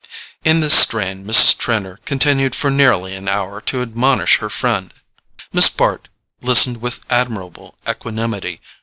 In this strain Mrs. Trenor continued for nearly an hour to admonish her friend. Miss Bart listened with admirable equanimity.